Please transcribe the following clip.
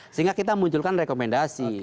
sehingga kita munculkan rekomendasi